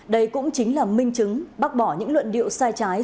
đây cũng chính là minh chứng bác bỏ những luận điệu sai trái